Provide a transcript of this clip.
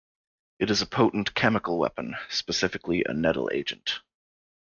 It is a potent chemical weapon, specifically a nettle agent.